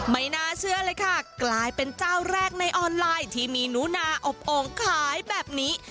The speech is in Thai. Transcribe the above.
ไม่น่าเชื่อเลยค่ะกลายเป็นเจ้าแรกในออนไลน์ที่มีหนูนาอบโอ่งขายแบบนี้